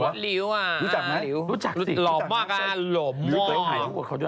ริวรอบมากอะหลวมมาก